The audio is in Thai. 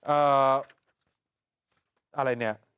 เอ่ออะไรเนี่ย